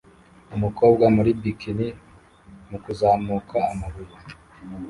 Umukobwa muri bikini mukuzamuka amabuye